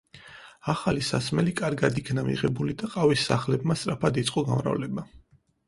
ახალი სასმელი კარგად იქნა მიღებული და ყავის სახლებმა სწრაფად იწყო გამრავლება.